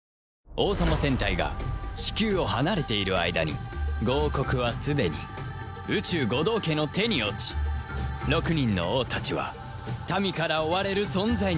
王様戦隊がチキューを離れている間に５王国はすでに宇蟲五道化の手に落ち６人の王たちは民から追われる存在になる